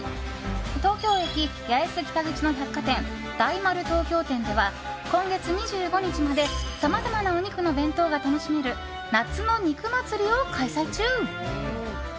東京駅八重洲北口の百貨店大丸東京店では、今月２５日までさまざまなお肉の弁当が楽しめる夏の肉まつりを開催中。